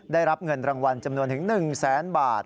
ได้รับเงินรางวัลจำนวนถึง๑แสนบาท